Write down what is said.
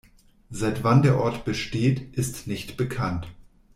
Seit wann der Ort besteht, ist nicht bekannt.